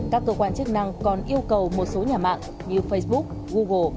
các cơ quan chức năng còn yêu cầu một số nhà mạng như facebook google